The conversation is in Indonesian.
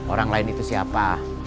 orang lain itu siapa